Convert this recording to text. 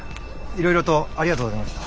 いろいろとありがとうございました。